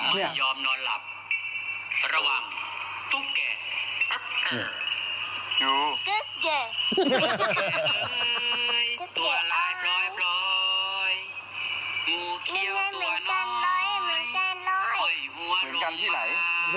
เหมือนกันที่ไหน